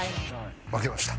負けました。